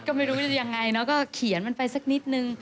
ก็ไม่รู้จะยังไงเนอะก็เขียนมันไปสักนิดนึง